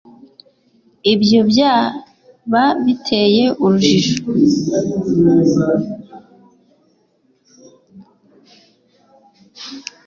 ibyo byaba biteye urujijo